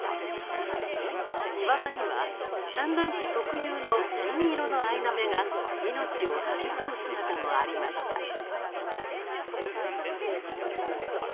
岩場には産卵期特有の金色のアイナメが命を育む姿もありました。